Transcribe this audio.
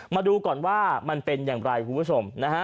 มาดูก่อนว่ามันเป็นอย่างไรคุณผู้ชมนะฮะ